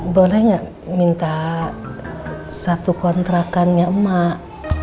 boleh nggak minta satu kontrakannya emak